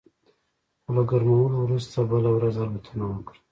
خو له ګرمولو وروسته بله ورځ الوتنه وکړه